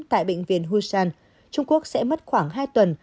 tại bệnh viện husan trung quốc sẽ mất khoảng hai tuần